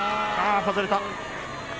外れた。